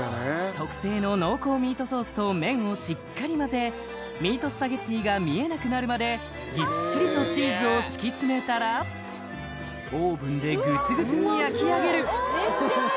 特製の濃厚ミートソースと麺をしっかり混ぜミートスパゲッティが見えなくなるまでぎっしりとチーズを敷き詰めたらオーブンでグツグツに焼き上げる！